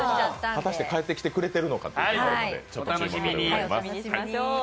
果たして帰ってきてくれているのかということでちょっと注目でございます。